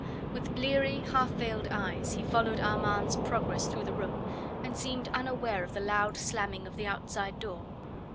With bleary, half veiled eyes he followed Armand's progress through the room, and seemed unaware of the loud slamming of the outside door.